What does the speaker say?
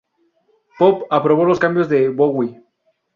Pop aprobó los cambios de Bowie.